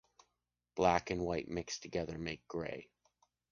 Black and white mixed together make grey.